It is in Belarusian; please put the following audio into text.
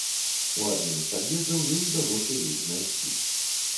У адным з пад'ездаў ёй удалося іх знайсці.